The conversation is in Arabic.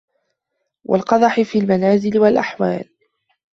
وَالْقَدَحَ فِي الْمَنَازِلِ وَالْأَحْوَالِ